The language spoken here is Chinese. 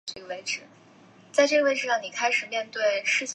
它是研究海洋的地理学的分支。